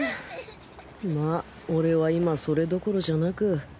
まぁ俺は今それどころじゃなく